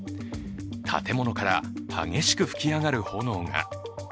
建物から激しく吹き上がる炎が。